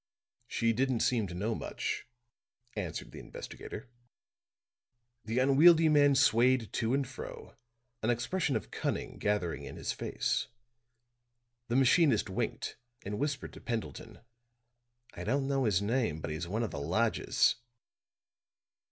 "She didn't seem to know much," answered the investigator. The unwieldy man swayed to and fro, an expression of cunning gathering in his face. The machinist winked and whispered to Pendleton: "I don't know his name, but he's one of the lodgers."